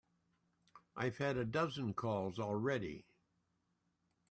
I've had a dozen calls already.